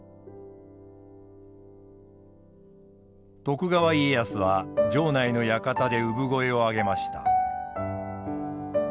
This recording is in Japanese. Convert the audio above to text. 徳川家康は城内の館で産声を上げました。